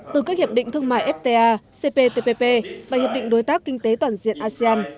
từ các hiệp định thương mại fta cptpp và hiệp định đối tác kinh tế toàn diện asean